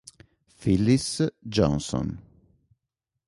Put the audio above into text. Phyllis Johnson